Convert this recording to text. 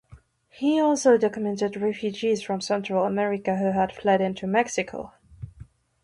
He also documented refugees from Central America who had fled into Mexico.